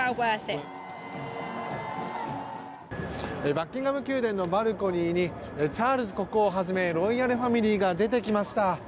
バッキンガム宮殿のバルコニーにチャールズ国王をはじめロイヤルファミリーが出てきました。